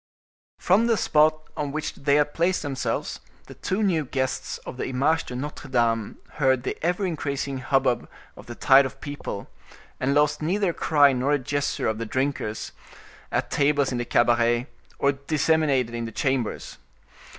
From the spot on which they had placed themselves the two new guests of the Image de Notre Dame heard the ever increasing hubbub of the tide of people, and lost neither a cry nor a gesture of the drinkers, at tables in the cabaret, or disseminated in the chambers.